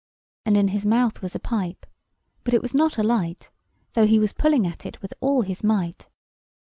And in his mouth was a pipe; but it was not a light; though he was pulling at it with all his might.